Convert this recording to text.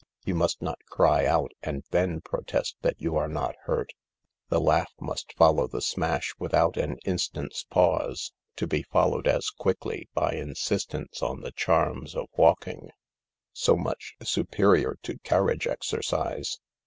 You must not cry out and then protest that you are not hurt. The laugh must follow the smash without an instant's pause, to be followed as quickly by insistence on the charms of walking— so much superior to carriage exercise.